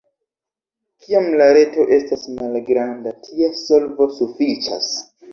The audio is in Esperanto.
Kiam la reto estas malgranda, tia solvo sufiĉas.